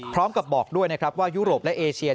พร้อมกับบอกด้วยนะครับว่ายุโรปและเอเชีย